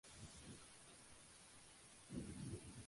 Durante el juicio se desvela su trágica historia.